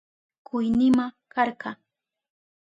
Kuynima karka.